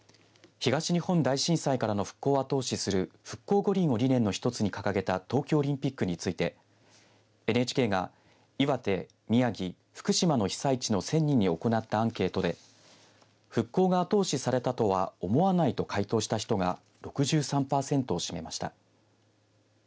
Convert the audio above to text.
東日本大震災からの復興を後押しする復興五輪を理念の一つに掲げた東京オリンピックについてＮＨＫが岩手、宮城、福島の被災地の１０００人に行ったアンケートで復興が後押しされたとは思わないと回答した人が６３パーセントを占めました。